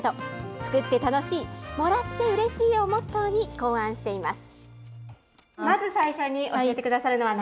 作って楽しいもらってうれしいをモットーに考案しています。